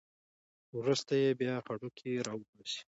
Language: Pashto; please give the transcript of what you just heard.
وروسته یې بیا هډوکي راوباسي.